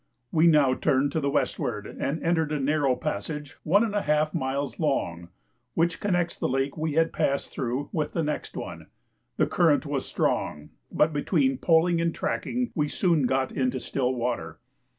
We now turned to the westward and entered a narrow passage one and a half miles long, which connects the lake we had passed through with the next one; the current was strong, but between poling and tracking we soon got into still water.